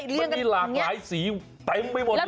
มันมีหลากหลายสีเต็มไปหมดเลย